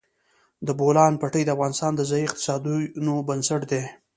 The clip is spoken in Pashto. د بولان پټي د افغانستان د ځایي اقتصادونو بنسټ دی.